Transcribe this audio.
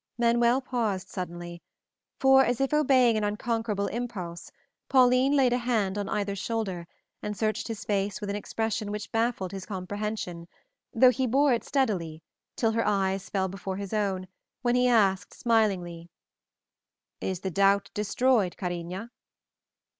Manuel paused suddenly, for as if obeying an unconquerable impulse, Pauline laid a hand on either shoulder and searched his face with an expression which baffled his comprehension, though he bore it steadily till her eyes fell before his own, when he asked smilingly: "Is the doubt destroyed, cariña?"